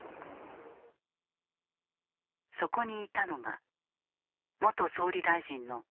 そこにいたのが元総理大臣の安倍晋三。